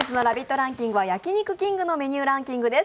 ランキングは焼肉きんぐのメニューランキングです。